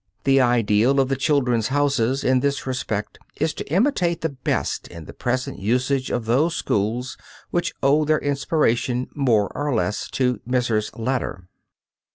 The ideal of the "Children's Houses" in this respect is to imitate the best in the present usage of those schools which owe their inspiration more or less to Mrs. Latter.